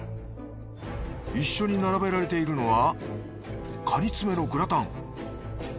一緒に並べられているのはカニ爪のグラタン。